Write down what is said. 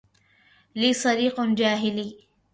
لي صديق جاهلي